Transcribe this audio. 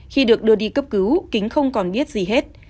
khi được đưa đi cấp cứu kính không còn biết gì hết